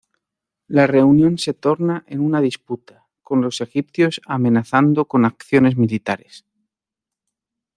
La reunión se torna en una disputa, con los egipcios amenazando con acciones militares.